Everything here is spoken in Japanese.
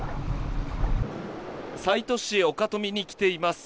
西都市オカトミに来ています。